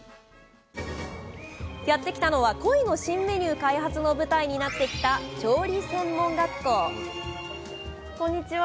やって来たのはコイの新メニュー開発の舞台になってきたこんにちは。